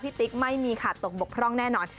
ติ๊กไม่มีขาดตกบกพร่องแน่นอน